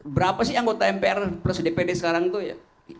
berapa sih anggota mpr proses dpd sekarang itu ya